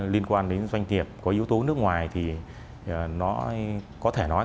liên quan đến doanh nghiệp có yếu tố nước ngoài thì nó có thể nói cái khó khăn đầu tiên đó là